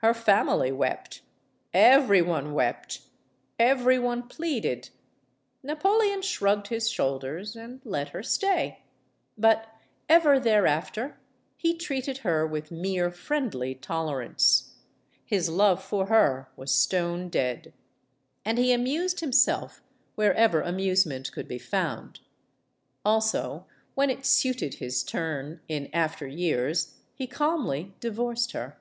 Her family wept. Every one wept. Every one pleaded. Napo leon shrugged his shoulders and let her stay. But ever thereafter he treated her with mere friendly tol erance. His love for her was stone dead. And he amused himself wherever amusement could be found. MADAME RECAMIER 237 Also, when it suited his turn in after years he calmly divorced her.